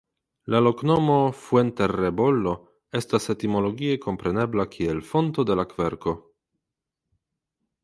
La loknomo "Fuenterrebollo" estas etimologie komprenebla kiel Fonto de la Kverko.